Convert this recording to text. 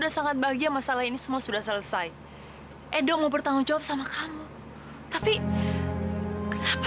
sampai jumpa di video selanjutnya